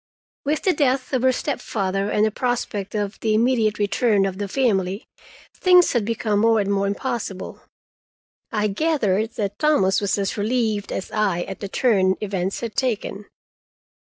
With the death of her stepfather and the prospect of the immediate return of the family, things had become more and more impossible. I gathered that Thomas was as relieved as I at the turn events had taken.